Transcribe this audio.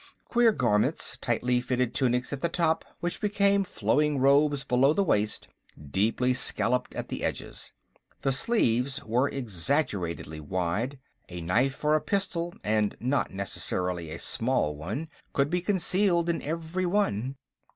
Queer garments, tightly fitted tunics at the top which became flowing robes below the waist, deeply scalloped at the edges. The sleeves were exaggeratedly wide; a knife or a pistol, and not necessarily a small one, could be concealed in every one.